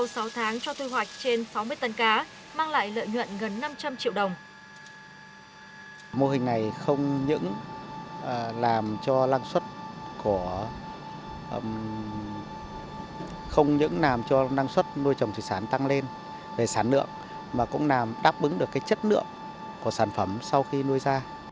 sau sáu tháng cho thu hoạch trên sáu mươi tấn cá mang lại lợi nhuận gần năm trăm linh triệu đồng